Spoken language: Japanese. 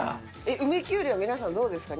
梅きゅうりは皆さんどうですか？